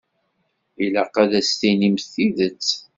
Ilaq ad as-tinimt tidet.